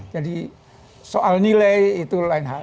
soal nilai itu lain hal